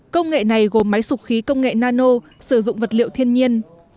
công nghệ này gồm máy sụp khí công nghệ nano sử dụng vật liệu thiên nhiên